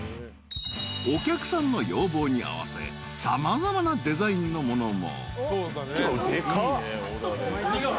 ［お客さんの要望に合わせ様々なデザインのものも］